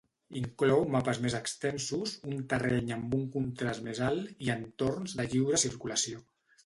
Inclou mapes més extensos, un terreny amb un contrast més alt i entorns de lliure circulació.